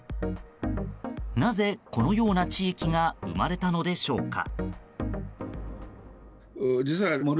なぜ、このような地域が生まれたのでしょうか。